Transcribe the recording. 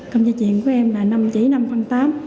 cầm dây chuyển của em là năm chỉ năm phân tám